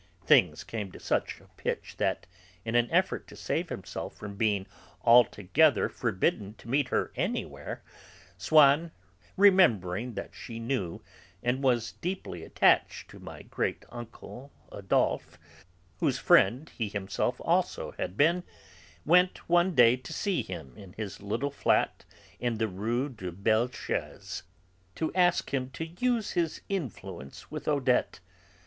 Things came to such a pitch that, in an effort to save himself from being altogether forbidden to meet her anywhere, Swann, remembering that she knew and was deeply attached to my great uncle Adolphe, whose friend he himself also had been, went one day to see him in his little flat in the Rue de Bellechasse, to ask him to use his influence with Odette.